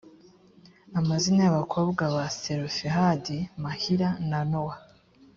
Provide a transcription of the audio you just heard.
mazina y abakobwa ba selofehadi mahila na nowa